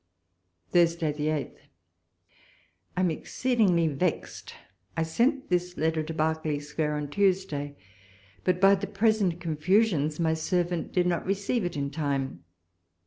Thursday 8tli. I am exceedingly vexed. I sent this letter to Berkelej' Square on Tuesday, but by the present confusions my servant did not receive it in time.